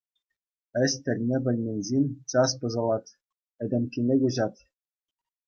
Ĕç тӗлне пӗлмен ҫын час пӑсӑлать, этемккене куҫать.